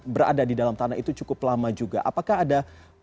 berada di dalam tanah itu cukup lama juga apakah ada